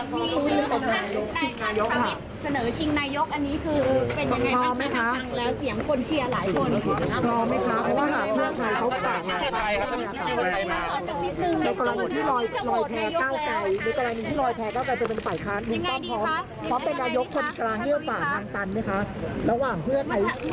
เมื่อเช้าก็ยิ้มตอนนี้คือยิ้มอย่างเดียวเลยเหรอคะ